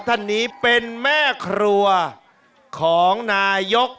ท่านนี้เป็นแม่ครัวของนายก